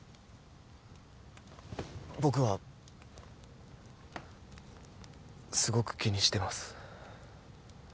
僕はすごく気にしてます